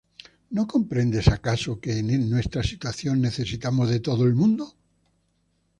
¿No comprendes, acaso, que en nuestra situación necesitamos de todo el mundo?